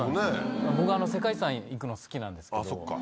僕世界遺産行くの好きなんですけど。